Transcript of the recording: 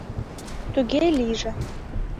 — Туге лийже...